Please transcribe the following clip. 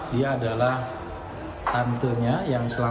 dia adalah tantenya yang selalu